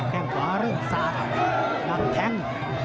แค่งขวาเรื่องสายหลังแทง